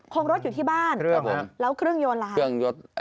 โครงรถ